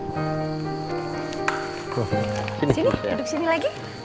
sini duduk sini lagi